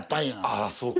あっそうか。